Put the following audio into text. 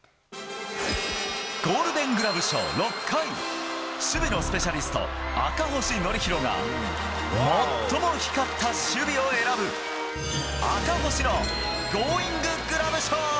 ゴールデングラブ賞６回、守備のスペシャリスト、赤星憲広が、最も光った守備を選ぶ、赤星のゴーインググラブ賞。